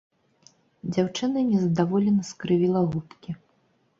Дзяўчына нездаволена скрывіла губкі.